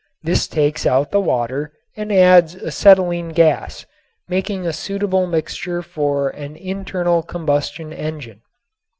This takes out the water and adds acetylene gas, making a suitable mixture for an internal combustion engine.